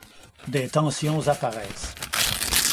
Des tensions apparaissent.